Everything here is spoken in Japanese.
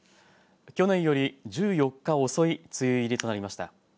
去年より１４日遅い梅雨入りとなりました。